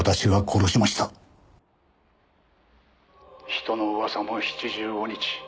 「人の噂も七十五日」